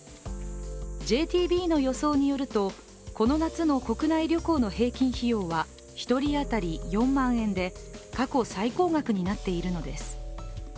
ＪＴＢの予想によるとこの夏の国内旅行の平均費用は１人当たり４万円で過去最高額になっているのです。